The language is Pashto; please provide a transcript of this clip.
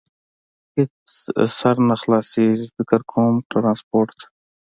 هېڅ سر نه خلاصېږي، فکر کوم، ترانسپورټ ته.